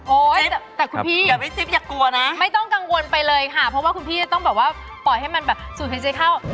โอ๊ยแต่คุณพี่ไม่ต้องกังวลไปเลยค่ะเพราะว่าคุณพี่จะต้องเปล่าว่าปล่อยให้มันสูดหายใจเข้า